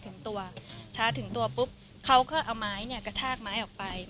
ถึงตัวช้าถึงตัวปุ๊บเขาก็เอาไม้เนี่ยกระชากไม้ออกไป